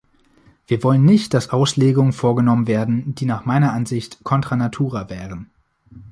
Wir wollen nicht, dass Auslegungen vorgenommen werden, die nach meiner Ansicht contra natura wären.